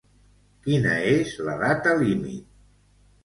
Quina és la data límit?